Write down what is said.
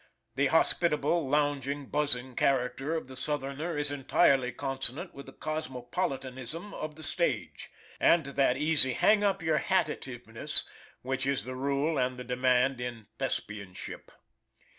The hospitable, lounging, buzzing character of the southerner is entirely consonant with the cosmopolitanism of the stage, and that easy "hang up your hatativeness," which is the rule and the demand in Thespianship.